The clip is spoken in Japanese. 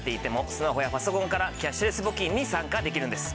スマホやパソコンからキャッシュレス募金に参加できるんです。